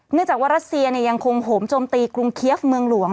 เนื่องจากว่ารัสเซียยังคงโหมโจมตีกรุงเคียฟเมืองหลวง